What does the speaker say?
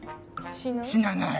死なない！